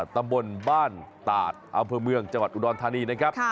ตำบลบ้านตาดอำเภอเมืองจังหวัดอุดรธานีนะครับ